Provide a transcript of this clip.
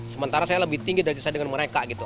sementara saya lebih tinggi dari saya dengan mereka gitu